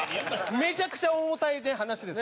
めちゃくちゃ重たい話です。